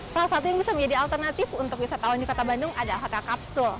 salah satu yang bisa menjadi alternatif untuk wisatawan di kota bandung adalah hotel kapsul